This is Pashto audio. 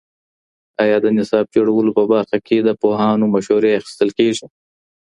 آیا د نصاب جوړولو په برخه کي د پوهانو مشورې اخیستل کیږي؟